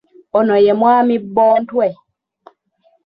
Ono ye mwami Bontwe.